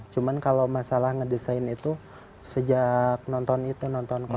cuma kalau masalah ngedesain itu sejak nonton itu nonton konser